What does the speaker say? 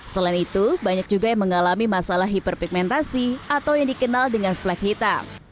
selain itu banyak juga yang mengalami masalah hiperpigmentasi atau yang dikenal dengan flag hitam